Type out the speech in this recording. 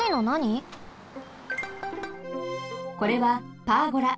これはパーゴラ。